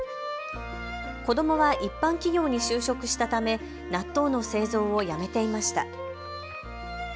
子どもは一般企業に就職したため納豆の製造をやめていました。